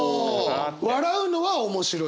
笑うのは「面白い」。